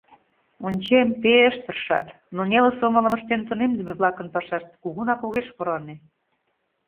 Ончем, пе-эш тыршат, но неле сомылым ыштен тунемдыме-влакын пашашт кугунак огеш воране.